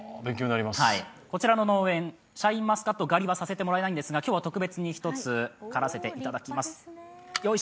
こちらの農園、シャインマスカット狩りはさせてもらえないんですが今日は特別に１つ狩らせていただきます。